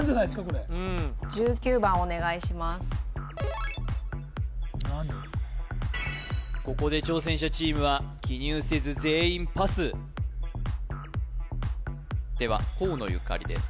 これ何ここで挑戦者チームは記入せず全員パスでは河野ゆかりです